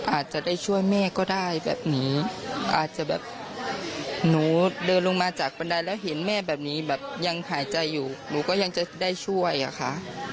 อาจจะได้ช่วยแม่ก็ได้แบบนี้อาจจะแบบหนูเดินลงมาจากบันไดแล้วเห็นแม่แบบนี้แบบยังหายใจอยู่หนูก็ยังจะได้ช่วยอะค่ะ